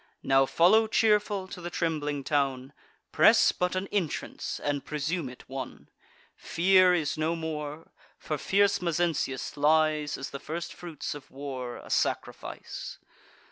Now follow cheerful to the trembling town; Press but an entrance, and presume it won. Fear is no more, for fierce Mezentius lies, As the first fruits of war, a sacrifice.